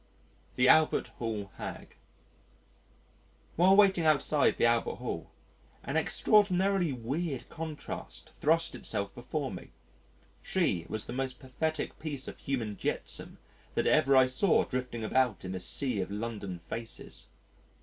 The Albert Hall Hag While waiting outside the Albert Hall, an extraordinarily weird contrast thrust itself before me she was the most pathetic piece of human jetsam that ever I saw drifting about in this sea of London faces.